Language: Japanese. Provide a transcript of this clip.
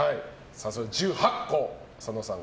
１８個、佐野さん